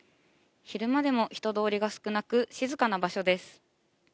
昼間でも人通りが少なく、静かな場所です。